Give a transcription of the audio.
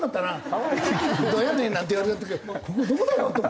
「どやねん」なんて言われた時ここどこだよと。